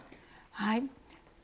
はい。